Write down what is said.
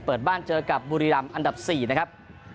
เปิดบ้านเจอกับบุรีรำอันดับ๔นะครับ